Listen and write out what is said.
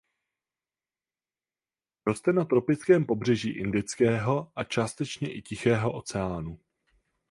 Roste na tropickém pobřeží Indického a částečně i Tichého oceánu.